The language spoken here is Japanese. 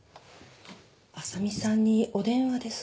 浅見さんにお電話ですが。